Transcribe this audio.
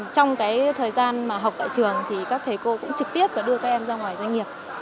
trong cái thời gian mà học tại trường thì các thầy cô cũng trực tiếp đưa các em ra ngoài doanh nghiệp